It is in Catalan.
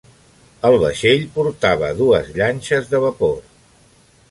El vaixell portava dues llanxes de vapor.